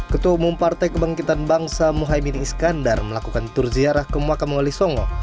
ketua umum partai kebangkitan bangsa mohaimin iskandar melakukan tur ziarah ke muakam wali songo